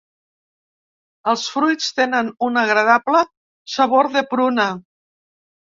Els fruits tenen un agradable sabor de pruna.